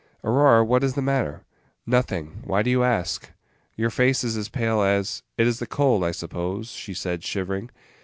"Aurora, what is the matter?" "Nothing. Why do you ask?" "Your face is as pale as " "It is the cold, I suppose," she said, shivering.